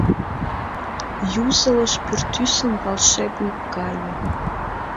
Юзылыш пӱртӱсым волшебник гае.